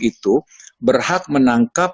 itu berhak menangkap